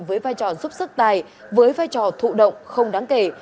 với vai trò giúp sức tài với vai trò thụ động không đáng kể